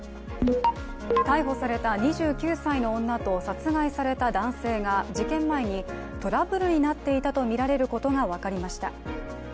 逮捕された２９歳の女と殺害された男性が、事件前にトラブルになっていたとみられることが分かりました。